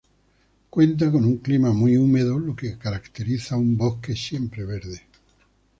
Cuenta con un clima muy húmedo, lo que caracteriza un bosque siempre verde.